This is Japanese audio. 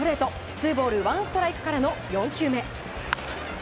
ツーボールワンストライクからの４球目。